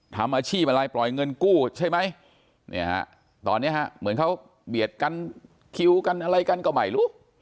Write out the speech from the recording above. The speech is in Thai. ทำอาชีพอะไรปล่อยเงินกู้ใช่ไหมเนี่ยฮะตอนนี้ฮะเหมือนเขาเบียดกันคิวกันอะไรกันก็ไม่รู้